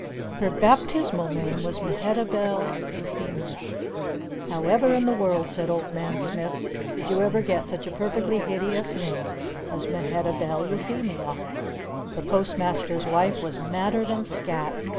Her Baptismal name was Mehetabelle Euphemia. "However in the world," said Old Man Smith, "did you get such a perfectly hideous name as Mehetabelle Euphemia?" The Post Master's wife was madder than Scat!